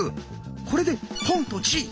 これで「ポン」と「チー」